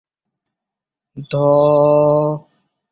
বাদী স্বর: ধ।